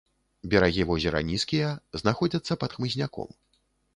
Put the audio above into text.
Берагі возера нізкія, знаходзяцца пад хмызняком.